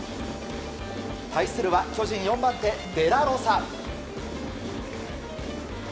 対するは巨人４番手デラロサ。